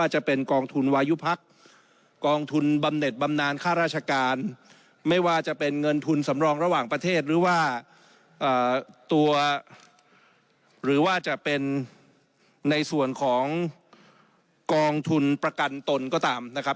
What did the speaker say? หรือว่าจะเป็นในส่วนของกองทุนประกันตนก็ตามนะครับ